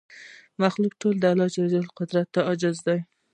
مخلوق ټول د الله قدرت ته عاجز دی